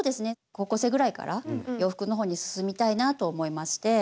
高校生ぐらいから洋服の方に進みたいなと思いまして。